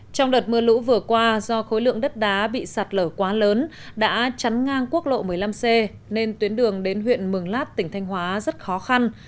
trong đợt mưa lũ vừa qua do khối lượng đất đá bị sạt lở quá lớn đã chắn ngang quốc lộ một mươi năm c nên tuyến đường đến huyện mường lát tỉnh thanh hóa rất khó khăn